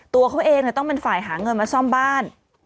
ตัวเขาเองต้องเป็นฝ่ายหาเงินมาซ่อมบ้าน